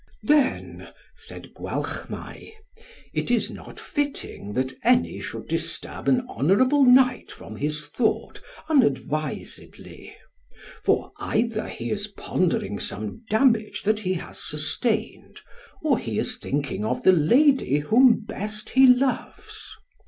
"Then," said Gwalchmai, "it is not fitting that any should disturb an honourable knight from his thought unadvisedly; for either he is pondering some damage that he has sustained, or he is thinking of the lady whom best he loves.